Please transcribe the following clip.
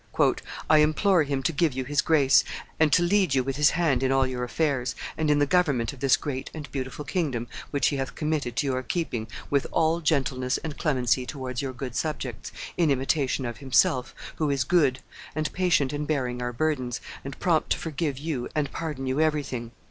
"I implore Him to give you His grace, and to lead you with His hand in all your affairs, and in the government of this great and beautiful kingdom which He hath committed to your keeping, with all gentleness and clemency towards your good subjects, in imitation of Himself, who is good and, patient in bearing our burdens, and prompt to forgive you and pardon you everything."